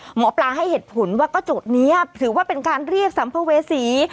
หมอปลาให้เหตุผลว่าก็จุดนี้ถือว่าเป็นการเรียกสัมภเวษี